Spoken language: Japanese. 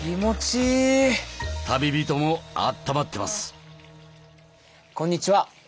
旅人もあったまってます。